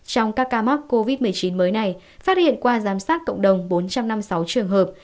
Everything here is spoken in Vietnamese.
trong các ca mắc covid một mươi chín mới này phát hiện qua giám sát cộng đồng bốn trăm năm mươi sáu trường hợp